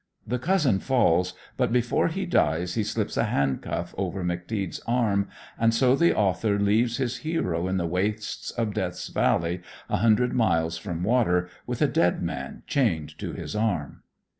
The cousin falls, but before he dies he slips a handcuff over "McTeague's" arm, and so the author leaves his hero in the wastes of Death's Valley, a hundred miles from water, with a dead man chained to his arm.